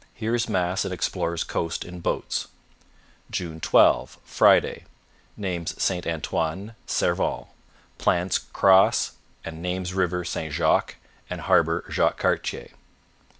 Hears Mass and explores coast in boats. " 12 Friday Names St Anthoine, Servan; plants cross and names river St Jacques, and harbour Jacques Cartier.